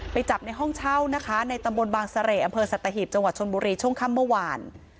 จับในห้องเช่านะคะในตำบลบางเสร่อำเภอสัตหีบจังหวัดชนบุรีช่วงค่ำเมื่อวาน